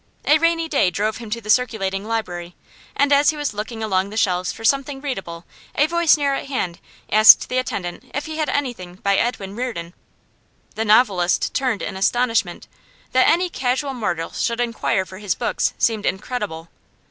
A rainy day drove him to the circulating library, and as he was looking along the shelves for something readable a voice near at hand asked the attendant if he had anything 'by Edwin Reardon.' The novelist turned in astonishment; that any casual mortal should inquire for his books seemed incredible.